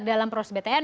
dalam proses btn